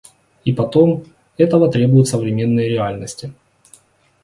И потом, этого требуют современные реальности.